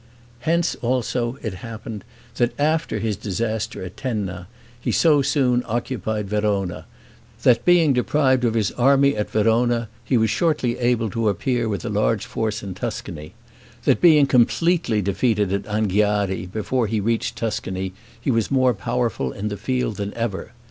Hence, also, it happened, that after his disaster at Tenna, he so soon occupied Verona: that being deprived of his army at Verona, he was shortly able to appear with a large force in Tuscany; that being completely defeated at Anghiari, before he reached Tuscany, he was more powerful in the field than ever.